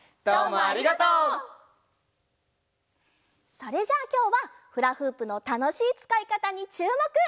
それじゃあきょうはフラフープのたのしいつかいかたにちゅうもく！